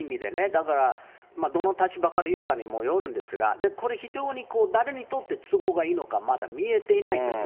だから、どの立場から言うかにもよるんですが、これ非常に、誰にとって都合がいいのか、まだ見えてないんです。